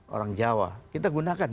orang jawa kita gunakan